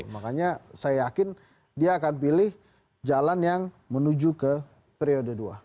makanya saya yakin dia akan pilih jalan yang menuju ke periode dua